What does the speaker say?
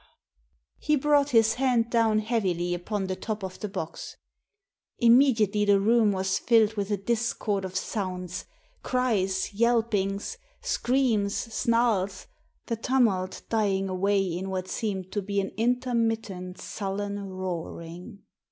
Ah !" He brought his hand down heavily upon the top of the box. Immediately the room was filled with a discord of sounds, cries, yelpings, screams, snarls, the tumult dying away in what seemed to be an intermittent, sullen roaring.